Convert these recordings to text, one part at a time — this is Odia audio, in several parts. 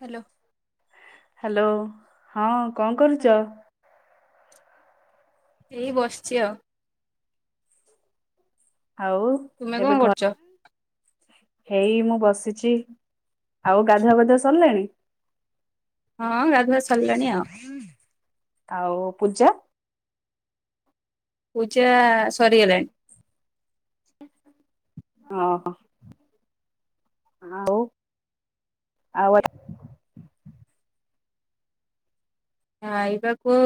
ହାଲୋ। ହାଲୋ ହଁ କଣ କରୁଚ? ଏଇ ବସଛି ଆଉ। ଆଉ ତୁମେ କଣ ଏବେ ଘ କରୁଛ? ହେଇ ମୁଁ ବସିଛି ଆଉ ଗାଧୁଆପାଧୁଆ ସରଲାଣି? ହଁ ଗାଧୁଆ ସରିଲାଣି ଆଉ। ଆଉ ପୂଜା। ପୂଜା ସରିଗଲାଣି। ଓହୋ ଆଉ ଆଉ ଖାଇବାକୁ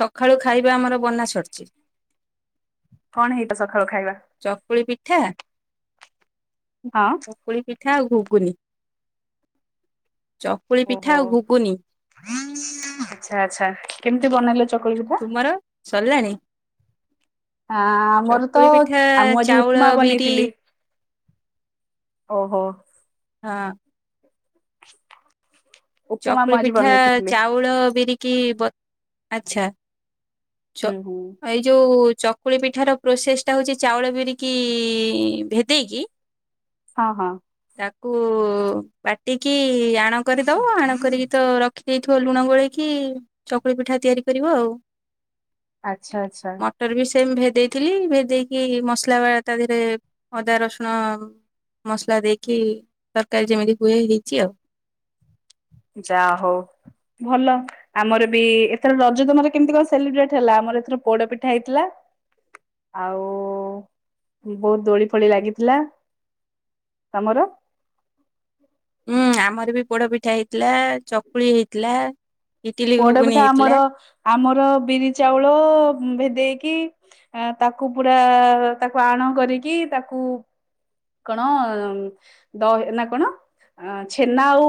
ସଖାଳୁ ଖାଇବା ଆମର ବନା ସରିଛି। କଣ ହେଇ ଥିଲା ସଖାଳୁ ଖାଇବା? ଚକୁଳି ପିଠା। ହଁ। ଚକୁଳି ପିଠା ଆଉ ଘୁଗୁନି ଚକୁଳି ଓହୋ ପିଠା ଆଉ ଘୁଗୁନି। ଆଚ୍ଛା ଆଚ୍ଛା କେମିତି ବନେଇଲେ ଚକୁଳି ପିଠା? ମର ସରିଲାଣି। ହଁ ଆମର ତ ଚକୁଳି ପିଠା ଆ ମୁଁ ଆଜି ଚାଉଳ ଉପମା ବିରି ବନେଇଥିଲି। ଓହୋ। ହଁ। ଉପମା ମୁଁ ଚକୁଳି ଆଜି ପିଠା ବନେଇଥିଲି ଚାଉଳ ବିରିକି ବ ଆଛା। ଚ ହୁଁ ହୁଁ ଏଇ ଯଉ ଚକୁଳି ପିଠାର ପ୍ରୋସେସ୍ ଟା ହଉଛି ଚାଉଳ ବିରିକି ଭେଦେଇକି। ହଁ ହଁ। ତାକୁ ବାଟିକି ଆଣ କରିଦବ ଆଣ କରିକି ତ ରଖି ଦେଇଥିବ ଲୁଣ ଗୋଳେଇକି ଚକୁଳି ପିଠା ତିଆରି କରିବ ଆଉ। ଆଚ୍ଛା ଆଚ୍ଛା। ମଟର ବି ସେମ ଭେଦେଇଥିଲି ଭେଦେଇେଇକି ମସଲା ବା ତା ଦେହରେ ଅଦା ରସୁଣ ମସଲା ଦେଇକି ତରକାରୀ ଯେମିତି ହୁହେ ହେଇଛି ଆଉ। ଯା ହୋଉ ଭଲ। ଆମର ବି ଏଥର ରଜ ତମରେ କେମିତି କଣ ସେଲିବ୍ରେଟ ହେଲା ଆମର ଏଥର ପୋଡ ପିଠା ହେଇଥିଲା। ଆଉ ବହୁତ ଦୋଳି ଫୋଳି ଲାଗିଥିଲା। ତମର? ହୁଁ ଆମର ବି ପୋଡ ପିଠା ହେଇଥିଲା ଚକୁଳି ହେଇଥିଲା। ଇଟିଲି ପୋଡ ଘୁଗୁନି ପିଠା ହେଇଥିଲା ଆମର ଆମର ବିରି ଚାଉଳ ଭେଦେଇକି ଆ ତାକୁ ପୁରା ତାକୁ ଆଣ କରିକି ତାକୁ କଣ ଦ ନା କଣ? ଅ ଛେନା ଆଉ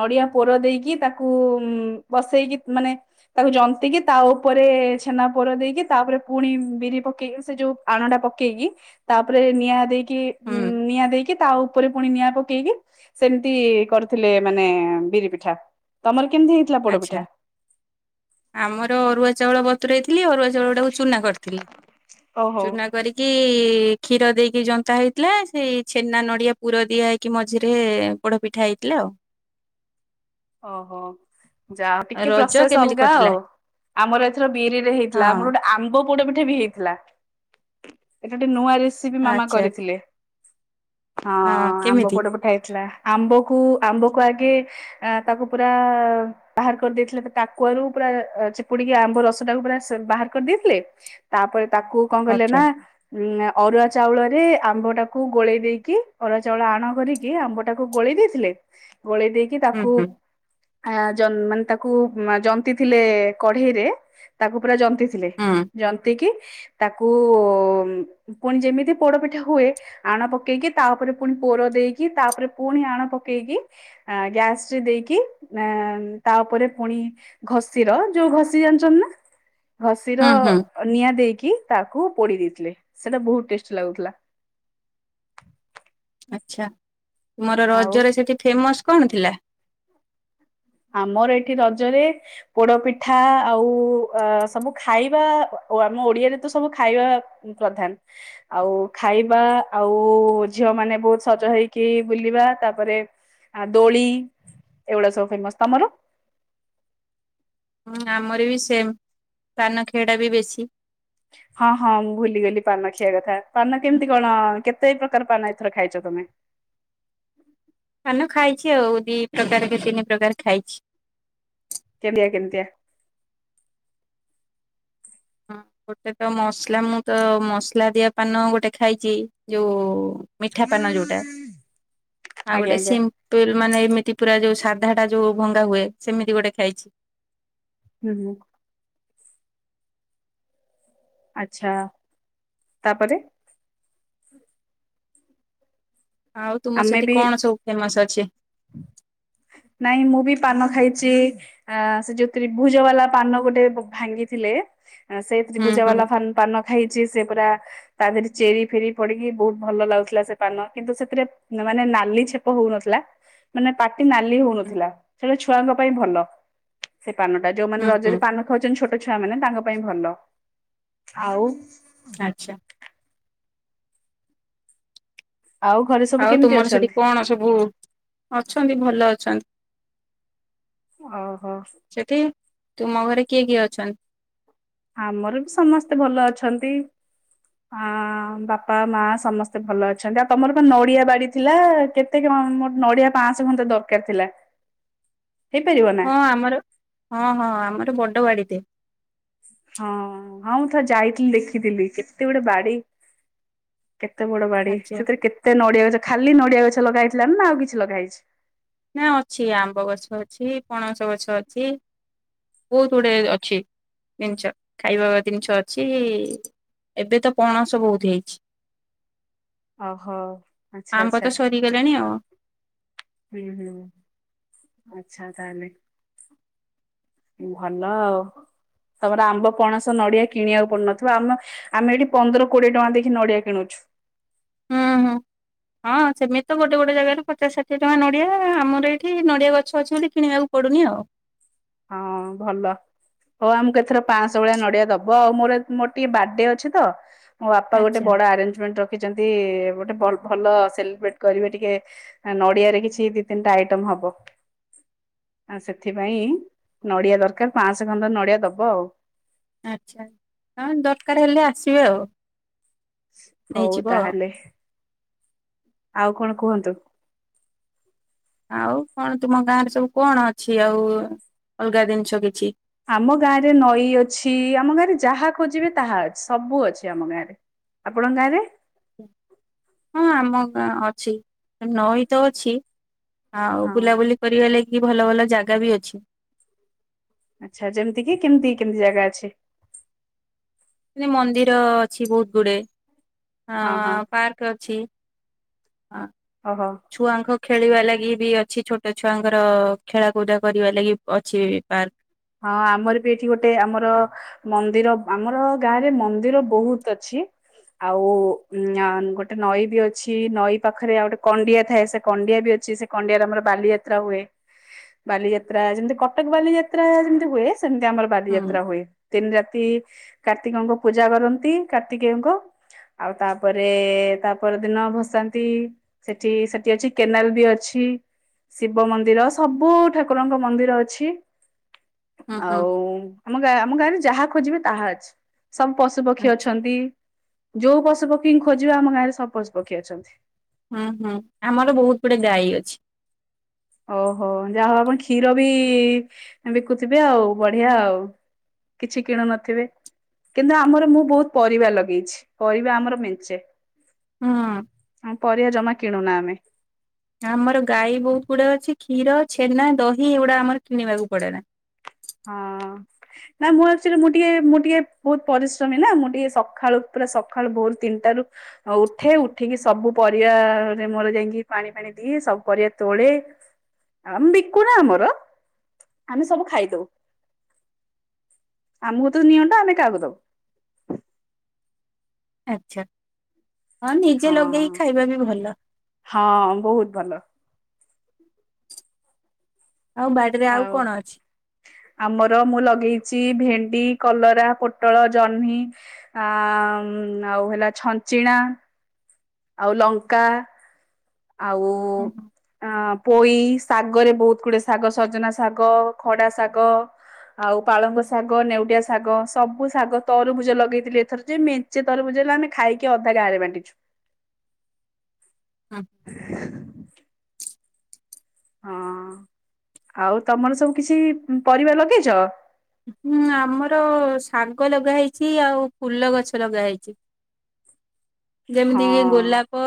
ନଡିଆ ପୋର ଦେଇକି ତାକୁ ପସେଇକି ମାନେ ତାକୁ ଜନ୍ତକି ତା ଉପରେ ଛେନା ପୋର ଦେଇକି ତାପରେ ପୁଣି ବିରି ପକେଇକି ସେ ଯୋଉ ଆଣ ଟା ପକେଇକି ତାପରେ ନିଆଁ ଦେଇକି ହୁଁ ନିଆଁ ଦେଇକି ତା ଉପରେ ପୁଣି ନିଆଁ ପକେଇକି ସେମିତି କରିଥିଲେ ମାନେ ବିରି ପିଠା ତମର କେମିତି ହେଇ ଆଚ୍ଛା ଆମର ଅରୁଆ ଚାଉଳ ବତରେଇଥିଲି ଅରୁଆ ଚାଉଳ ତାକୁ ଚୁନା କରିଥିଲି। ଓହୋ ଚୁନା କରି କି କ୍ଷୀର ଦେଇକି ଯନ୍ତା ହେଇଥିଲା ସେଇ ଛେନା ନଡିଆ ପୁର ଦିଆ ହେଇକି ମଝିରେ ପୋଡ ପିଠା ହେଇଥିଲା ଆଉ। ଓହୋ। ଯା ଆଉ ଟିକେ ରଜ ପ୍ରୋସେସ କେମିତି ଅଲଗା କଟିଲା? ଆଉ ଆମର ଏଥର ବିରି ରେ ହେଇଥିଲା ଆମର ହଁ ଗୋଟେ ଆମ୍ବ ପୋଡ ପିଠା ବି ହେଇଥିଲା ଏଟା ଗୋଟେ ନୂଆ ରେସି ସେ ବି ମାମା ଆଚ୍ଛା କରିଥିଲେ ହଁ ଆମ୍ବ ପୋଡ ପିଠା ହେଇଥିଲା। ଆମ୍ବକୁ ଆମ୍ବକୁ ଆଗେ ତାକୁ ପୁରା ବାହାର କରିଦେଇଥିଲେ ଟାକୁଆରୁ ପୁରା ଚିପୁଡିକି ଆମ୍ବ ରସ ଟାକୁ ପୁରା ବାହାର କରିଦେଇଥିଲେ। ତାପରେ ତାକୁ କଣ କଲେ ଆଚ୍ଛା ନା? ଉ ଅରୁଆ ଚାଉଳରେ ଆମ୍ବ ଟାକୁ ଗୋଳେଇ ଦେଇକି ଅରୁଆ ଚାଉଳ ଆଣ କରିକି ଯିଏ ଆମ୍ବ ଟାକୁ ଗୋଳେଇ ଦେଇଥିଲେ ଗୋଳେଇ ଦେଇକି ହୁଁ ତାକୁ ହୁଁ ଆଁ ଜ ମାନେ ତାକୁ ଜନ୍ତି ଥିଲେ କଢେଇରେ ତାକୁ ପୁରା ଜନ୍ ତି ଥିଲେ ହୁଁ ଜନ୍ତିକି ତାକୁ ପୁଣି ଯେମିତି ପୋଡପିଠା ହୁଏ ଆଣ ପକେଇକି ତା ଉପରେ ପୁଣି ପୋର ଦେଇକି ତାପରେ ପୁଣି ଆଣ ପକେଇକି ଆଁ ଗ୍ୟାସ ସେ ଦେଇକି ଆ ତା ଉପରେ ପୁଣି ଘଷିର ଯୋଉ ଘଷି ଜାଣିଚନ୍ତି ନା? ଘଷିର ହୁଁ ହୁଁ ନିଆଁ ଦେଇକି ତାକୁ ପୋଡି ଦେଇଥିଲେ ସେଟା ବହୁତ ଟେଷ୍ଟି ଲାଗୁଥିଲା। ଆଚ୍ଛା ତୁମର ଆଉ ରଜରେ ସେଇଠି ଫେମସ୍ କଣ ଥିଲା? ଆମର ଏଇଠି ରଜରେ ପୋଡପିଠା ଆଉ ଆ ସବୁ ଖାଇବା ଅ ଆମ ଓଡିଆରେ ତ ସବୁ ଖାଇବା ପ୍ରଧାନ। ଆଉ ଖାଇବା ଆଉ ଝିଅ ମାନେ ବହୁତ ସଜ ହେଇକି ବୁଲିବା ତାପରେ ଆ ଦୋଳି ଏଗୁଡା ସବୁ ଫେମସ ତମର? ହୁଁ ଆମର ବି ସେମ୍ ପାନ ଖିଆଟା ବି ବେଶୀ। ହଁ ହଁ ମୁଁ ଭୁଲିଗଲି ପାନ ଖିଆ କଥା ପାନ କେମିତି କଣ କେତେ ପ୍ରକାର ପାନ ଏଥର ଖାଇଛ ତମେ? ପାନ ଖାଇଛି ଆଉ ଦି ପ୍ରକାର କି ତିନି ପ୍ରକାର ଖାଇଛି। କେମତିଆ କେମତିଆ? ହୁଁ ଗୋଟେ ତ ମସଲା ମୁଁ ତ ମସଲା ଦିଆ ପାନ ଗୋଟେ ଖାଇଚି ଯୋଉ ମିଠା ପାନ ଯୋଉଟା ଆଉ ଆଜ୍ଞା ଗୋଟେ ଆଜ୍ଞା ସିମ୍ ତୁଇଲ୍ ମାନେ ଏମିତି ପୁରା ଯୋଉ ସାଧାଟା ଯୋଉ ଭଙ୍ଗା ହୁଏ ସେମିତି ଗୋଟେ ଖାଇଚି। ହୁଁ ହୁ। ଆଛା ତାପରେ ଆଉ ତୁମ ଆମେ ସେଠି ବି କଣ ସବୁ ଫେମସ ଅଛି? ନାଇଁ ମୁଁ ବି ପାନ ଖାଇଚି। ଆଁ ସେ ଯୋଉ ତ୍ରିଭୁଜ ବାଲା ପାନ ଗୋଟେ ବ ଭାଙ୍ଗିଥିଲେ ଆଁ ସେଇ ହୁଁ ତ୍ରିଭୁଜା ହୁଁ ବାଲା ଫାନ୍‌ପାନ ହେଇଚି ସେ ପୁରା ତା ଦେହରେ ଚେରି ଫେରି ପଡିକି ବହୁତ ଭଲ ଲାଗୁଥିଲା ସେ ପାନ କିନ୍ତୁ ସେଥିରେ ମାନେ ନାଲି ଛେପ ହଉନଥିଲା ମାନେ ପାଟି ନାଲି ହଉନଥିଲା ସେଡା ଛୁଆଙ୍କ ପାଇଁ ଭଲ ସେ ପାନଟା ଯୋଉମାନେ ହୁଁ ହୁଁ ରଜରେ ପାନ ଖାଉଚନ୍ତି ଛୋଟ ଛୁଆ ମାନେ ତାଙ୍କ ପାଇଁ ଭଲ ଆଉ ଆଚ୍ଛା। ଆଉ ଘରେ ସବୁ ଆଉ କେମିତି ତୁମର ସେଠି ଅଛନ୍ତି କଣ ସବୁ ଅଛନ୍ତି ଭଲ ଅଛନ୍ତି। ଅ ହ। ସେଠି ତୁମ ଘରେ କିଏ କିଏ ଅଛନ୍ତି? ଆମର ବି ସମସ୍ତେ ଭଲ ଅଛନ୍ତି। ଆଁ ବାପା ମା ସମସ୍ତେ ଭଲ ଅଛନ୍ତି ଆଉ ତମର ବା ନଡିଆ ବାଡି ଥିଲା କେତ୍‌ ତେ ଗ୍ରାମ୍ ମୋର ନଡିଆ ପାଆଁଶହ ଖଣ୍ଡେ ଦରକାର ଥିଲା। ହେଇପାରିବ ନା ହଁ ଆମର ହଁ ହଁ ଆମର ବଡ଼ ବାଡ଼ିଟେ। ହଁ ହଁ ମୁଁ ଥରେ ଯାଇଥିଲି ଦେଖିଥିଲି କେତେ ବଡ ବାଡି? କେତେ ବଡ ବାଡି ଆଚ୍ଛା ସେଥିରେ କେତେ ନଡିଆ ଗଛ ଖାଲି ନଡିଆ ଗଛ ଲଗା ହେଇଥିଲାନା ନା ଆଉ କିଛି ଲଗା ହେଇଛି? ନାଇ ଅଛି ଆମ୍ବ ଗଛ ଅଛି ପଣସ ଗଛ ଅଛି। ବହୁତ ଗୁଡେ ଅଛି ଜିନଛ ଖାଇବା ଜିନଛ ଅଛି। ଏବେ ତ ପଣସ ବହୁତ ହେଇଛି। ଅ ହ ଆଚ୍ଛା ଆଚ୍ଛା। ଠିକ୍ ହେଲାଣି ଆଉ ହୁଁ ହୁଁ ଆଚ୍ଛା ତାହାଲେ। ଭଲ ଆଉ ତମର ଆମ୍ବ ପଣସ ନଡିଆ କିଣିବାକୁ ପଡ଼ୁନଥିବ ଆଣୁନ ଆମେ ଏଠି ପନ୍ଦର କୋଡିଏ ଟଙ୍କା ଦେଇଖି ନଡିଆ କିଣୁଛୁ। ହୁଁ ହୁଁ ହଁ ସେମିତି ତ ଗୋଟେ ଗୋଟେ ଜାଗାରେ ପଚାଶ ଷାଠିଏ ଟଙ୍କା ନଡିଆ ଆମର ଏଠି ନଡିଆ ଗଛ ଅଛି ବୋଲି କିଣିବାକୁ ପଡ଼ୁନି ଆଉ। ହଁ ଭଲ। ହଉ ଆମକୁ ଏଥର ପାଆଁସ ଭଳିଆ ନଡିଆ ଦବ ଆଉ ମୋର ମୋର ଟିକେ ବାର୍ଥଡେ ଅଛି ତ ମୋ ବାପା ଗୋଟେ ଆଚ୍ଛା ବଡ ଆରେଞ୍ଜମେଣ୍ଟ ରଖିଛନ୍ତି ଗୋଟେ ଭଲ ସେଲିବ୍ରେଟ କରିବେ ଟିକେ ନଡିଆରେ କିଛି ଦି ତିନିଟା ଆଇଟମ୍ ହବ ଆ ସେଥିପାଇଁ ନଡିଆ ଦରକାର ପାଆଁସ ଖଣ୍ଡେ ନଡିଆ ଦବ ଆଉ। ଆଚ୍ଛା ହଁ ଦରକାର ହେଲେ ଆସିବେ ଆଉ ହଉ ନେଇଯିବ ଆଉ। ତାହେଲେ ଆଉ କଣ କୁହନ୍ତୁ? ଆଉ କଣ ତୁମ ଗାଁରେ ସବୁ କଣ ଅଛି ଆଉ ଅଲଗା ଜିନିଷ କିଛି? ଆମ ଗାଁରେ ନଈ ଅଛି ଆମ ଗାଁରେ ଯାହା ଖୋଜିବେ ତାହା ଅଛି ସବୁ ଅଛି ଆମ ଗାଁରେ। ଆପଣଙ୍କ ଗାଁରେ? ହଁ ଆମ ଗାଁ ଅଛି ନଈ ତ ଅଛି। ଆଉ ହଁ ବୁଲାବୁଲି କରିବା ଲାଗି ଭଲ ଭଲ ଜାଗା ବି ଅଛି। ଆଚ୍ଛା ଯେମିତି କି କେମତି କେମତି ଜାଗା ଅଛି? ମାନେ ମନ୍ଦିର ଅଛି ବହୁତ ଗୁଡେ ଅ ହଁ ହଁ ପାର୍କ ଅଛି। ଆ। ଅହ। ଛୁଆଙ୍କ ଖେଳିବା ଲାଗି ବି ଅଛି ଛୋଟ ଛୁଆଙ୍କର ଖେଳାକୁଦା କରିବା ଲାଗି ଅଛି ପାର୍କ। ହଁ ଆମର ବି ଏଇଠି ଗୋଟେ ଆମର ମନ୍ଦିର ଆମର ଗାଁରେ ମନ୍ଦିର ବହୁତ ଅଛି। ଆଉ ଉଁ ଗୋଟେ ନଈ ବି ଅଛି ନଈ ପାଖରେ ଆଉ ଗୋଟେ କଣ୍ଡିଆ ଥାଏ ସେ କଣ୍ଡିଆ ବି ଅଛି ସେ କଣ୍ଡିଆରେ ଆମର ବାଲିଯାତ୍ରା ହୁଏ ବାଲିଯାତ୍ରା ଯେମତି କଟକ୍ ବାଲିଯାତ୍ ତ୍ରା ଯେମିତି ହୁଏ ସେମିତି ଆମର ହୁଁ। ବାଲିଯାତ୍ରା ହୁଏ। ତିନି ରାତି କାର୍ତ୍ତିକଙ୍କ ପୂଜା କରନ୍ତି କାର୍ତ୍ତିକେୟଙ୍କ। ଆଉ ତାପରେ ତାପର ଦିନ ଭସାନ୍ତି ସେଠି-ସେଠି ଅଛି କେନାଲ୍ ବି ଅଛି। ଶିବ ମନ୍ଦିର ସବୁ ଠାକୁରଙ୍କ ମନ୍ଦିର ଅଛି। ହୁଁ ହୁଁ ଆଉ ଆମ ଆମ ଗାଁରେ ଯାହା ଖୋଜିବେ ତାହା ଅଛି ସବୁ ପସ୍ ପଶୁପକ୍ଷୀ ଆଚ୍ଛା ଅଛନ୍ତି ଯୋଉ ପଶୁପକ୍ଷୀ ଖୋଜିବେ ଆମ ଗାଁରେ ସବୁ ପଶୁ ପକ୍ଷୀ ଅଛନ୍ତି। ହୁଁ-ହୁଁ ଆମର ବହୁତ ଗୁଡେ ଗାଈ ଅଛି। ଓହୋ ଯାହାହଉ ଆପଣ କ୍ଷୀର ବି ବିକୁଥିବେ ଆଉ ବଢିଆ ଆଉ। କିଛି କିଣୁ ନଥିବେ। କିନ୍ତୁ ଆମର ମୁଁ ବହୁତ ପରିବା ଲଗେଇଛି ପରିବା ଆମର ମେଞ୍ଚେ। ହୁଁ ଆ ପରିବା ଜମା କିଣୁନା ଆମେ। ଆମର ଗାଈ ବହୁତ ଗୁଡା ଅଛି କ୍ଷୀର, ଛେନା, ଦହି ଏଗୁଡା ଆମର କିଣିବାକୁ ପଡେନା। ହଁ। ନା ମୁଁ ଭାବୁଛିି ମୁଁ ଟିକେ ମୁଁ ଟିକେ ବହୁତ ପରିଶ୍ରମୀ ନା ମୁଁ ଟିକେ ସଖାଳୁ ପୁରା ସଖାଳୁ ଭୋର ତିନିଟାରୁ ଉଠେ ଉଠିକି ସବୁ ପରିବାରେ ମୋର ଯାଇକି ପାଣି-ପାଣି ଦିଏ ସବୁ ପରିବା ତୋଳେ ଆ ବିକୁନା ଆମର। ଆମେ ସବୁ ଖାଇଦଉ। ଆମୁକୁ ତ ନିଅଣ୍ଟ ଆମେ କାହାକୁ ଦବୁ। ଆଚ୍ଛା ହଁ ନିଜେ ଲଗେଇକି ଖାଇବା ବି ଭଲ। ହଁ ବହୁତ୍ ଭଲ। ଆଉ ବାଡିରେ ଆଉ କଣ ଅଛି? ଆମର ମୁଁ ଲଗେଇଛି ଭେଣ୍ଡି, କଲରା, ପୋଟଳ, ଜହ୍ନି ଆ ଆଉ ହେଲା ଛଞ୍ଚିଣା ଆଉ ଲଙ୍କା ଆଉ ଉଁ ହୁଁ। ଅ--ପୋଇ ଶାଗରେ ବହୁତ ଗୁଡେ ଶାଗ, ସଜନା ଶାଗ ଖଡା ଶାଗ। ଆଉ ପାଳଙ୍ଗ ଶାଗ, ନେଉଡିଆ ଶାଗ ସବୁ ଶାଗ, ତରୁଭୁଜ ଲଗେଇଥିଲି ଏଥର ଯେ କିଛି ତରଭୁଜ ହେଲାନି। ଆମେ ଖାଇକି ଅଧା ଗାରେ ବାଣ୍ଟିଛୁ। [unintelligible] [unintelligible] ହଁ। ଆଉ ତମର ସବୁ କିଛି ପରିବା ଲଗେଇଛ? ହୁଁ ଆମର ଶାଗ ଲଗାହେଇଛି, ଆଉ ଫୁଲ ଗଛ ଲଗାହେଇଛି। [inaudible] ଯେମିତି କି ହଁ ଗୋଲାପ,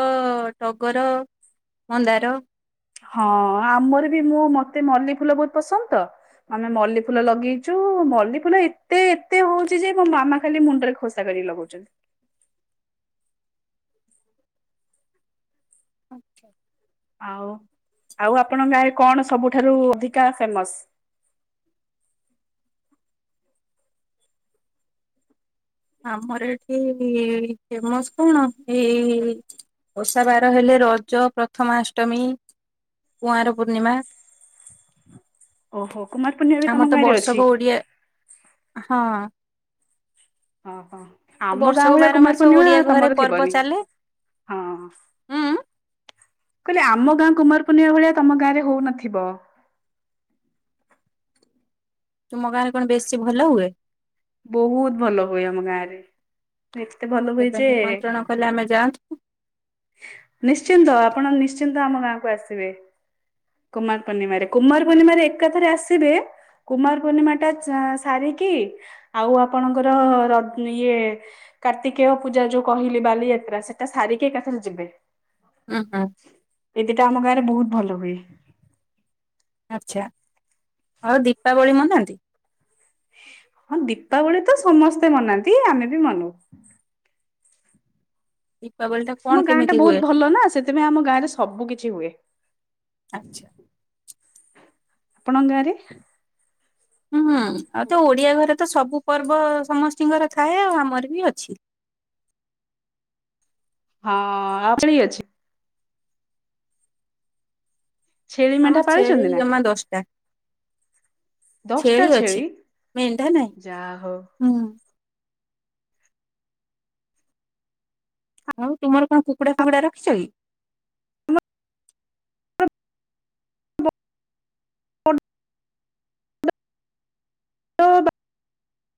ଟଗର, ମନ୍ଦାର। ହଁ ଆମର ବି। ମୁଁ ମତେ ମଲ୍ଲୀ ଫୁଲ ବହୁତ ପସନ୍ଦ ତ। ଆମେ ମଲ୍ଲୀ ଫୁଲ ଲଗେଇଛୁ। ମଲ୍ଲୀ ଫୁଲ ଏତେ ଏତେ ହଉଛି ଯେ ମୋ ମାମା ଖାଲି ମୁଣ୍ଡରେ ଖୋସା କରି ଲଗଉଛନ୍ତି। [inaudible] ଆଉ--ଆଉ ଆପଣଙ୍କ ଗାଁରେ କଣ ସବୁଠାରୁ ଅଧିକା ଫେମସ? ଆମର ଏଠି ଫେମସ କଣ। ଏଇ ଓଷା ବାର ହେଲେ ରଜ, ପ୍ରଥମାଷ୍ଟମୀ କୁଆଁର ପୂର୍ଣ୍ଣିମା। ଓହୋ କୁମାର ପୂର୍ଣ୍ଣିମା ବି ତମ ଆମର ତ ଗାଁରେ ଅଛି ବର୍ଷକ ଓଡିଆ ହଁ ତ ଓହୋ--ଆମ ଗାଁ ବର୍ଷକ ଭଳିଆ ବାର କୁମାରୀ ମାସ ପୂର୍ଣ୍ଣିମା ଓଡିଆ ଘରେ ତମର ପର୍ବ ଥିବନି। ଚାଲେ ହଁ ହୁଁ କହିଲି ଆମ ଗାଁ କୁମାର ପୂର୍ଣ୍ଣିମା ଭଳିଆ ତମ ଗାଁରେ ହଉନଥିବ। ତୁମ ଗାଁରେ କଣ ବେଶୀ ଭଲ ହୁଏ? ବହୁତ ଭଲ ହୁଏ ଆମ ଗାଁ ରେ। ଏତେ ଭଲ ହୁଏ କେବେ ଯେ ନିମନ୍ତ୍ରଣ କଲେ ଆମେ ଯାଆନ୍ତୁ ନିଶ୍ଚିନ୍ତ ଆପଣ ନିଶ୍ଚିନ୍ତ ଆମ ଗାଁକୁ ଆସିବେ। କୁମାର ପୂର୍ଣିମାରେ କୁମାର ପୂର୍ଣ୍ଣିମାରେ ଏକାଥରେ ଆସିବେ। କୁମାର ପୂର୍ଣ୍ଣିମା ଟା ସାରିକି। ଆଉ ଆପଣଙ୍କର ରଜ ଇଏ କାର୍ତ୍ତିକେୟ ପୂଜା ଯୋଉ କହିଲି ବାଲିଯାତ୍ରା। ସେଟା ସାରିକି ଏକାଥରେ ଯିବେ। ଓହୋ। ଏଦି ଟା ଆମ ଗାଁ ରେ ବହୁତ ଭଲ ହୁଏ। ଆଚ୍ଛା। ଆଉ ଦୀପାବଳି ମନାନ୍ତି? ହଁ ଦୀପାବଳି ତ ସମସ୍ତେ ମନାନ୍ତି। ଆମେ ବି ମନାଉ। ଦୀପାବଳୀ ତ ଆମ ଗାଁ ଟା ବହୁତ ଭଲ ନା। ସେଥିପାଇଁ ଆମ ଗାଁ ରେ ସବୁ କିଛି ହୁଏ। ଆଚ୍ଛା ଆପଣଙ୍କ ଗାଁ ରେ ହୁଁ ହୁଁ ଆଉ ତ ଓଡିଆ ଘରେ ତ ସବୁ ପର୍ବ ସମସ୍ତିଙ୍କର ଥାଏ। ଆଉ ଆମର ବି ଅଛି। ହଁ [unintelligible] ଛେଳି ମେଣ୍ଢା ଆମର ଛେଳି ପାଳିଛନ୍ତି ନା ଜମା ଦଶଟା। ଛେଳି ଅଛି। ମେଣ୍ଢା ଯାହା ହଉ ନାହିଁ। ହୁଁ ଆଉ ତୁମର କଣ କୁକୁଡ଼ା ଫୁକୁଡା ରଖିଛ କି? [unintelligible] ବଡ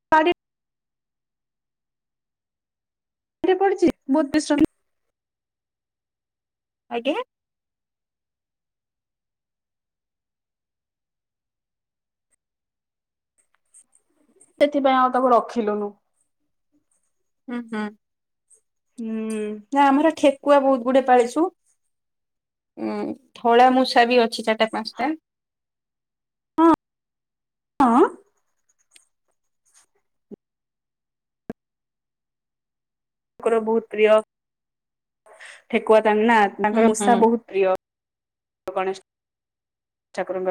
[unintelligible] ପଡିଛି [unintelligible] ଆଜ୍ଞା ସେଥିପାଇଁ ଆଉ ତାକୁ ରଖିଲୁନୁ। ହୁଁ ହୁଁ ହୁଁ ନା ଆମର ଠେକୁଆ ବହୁତ ଗୁଡଏ ପାଳିଛୁ। ଉଁ ଧଳା ମୂଷା ବି ଅଛି। ଚାରିଟା ପାଞ୍ଚଟା। ହଁ ହଁ। [inaudible] ତାଙ୍କର ବହୁତ ପ୍ରିୟ ଠେକୁଆ। ତନା ହୁଁ ତାଙ୍କର ହୁଁ। ମୂଷା ବହୁତ ପ୍ରିୟ ଗଣେଶ ଠାକୁରଙ୍କର